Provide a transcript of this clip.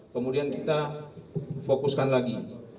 kemudian kita fokuskan lagi